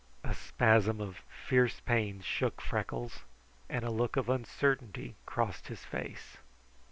A spasm of fierce pain shook Freckles, and a look of uncertainty crossed his face.